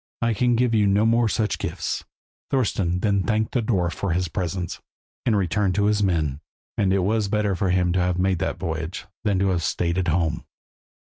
I can give you no more of such gifts." Thorston then thanked the dwarf for his presents, and returned to his men; and it was better for him to have made that voyage than to have stayed at home.